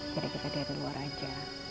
jadi kita lihat dari luar aja